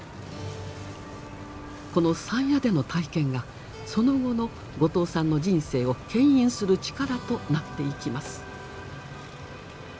この山谷での体験がその後の後藤さんの人生をけん引する力となっていきます。